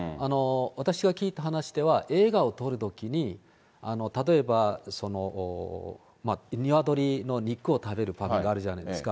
私が聞いた話では、映画を撮るときに例えば鶏の肉を食べる場面があるじゃないですか。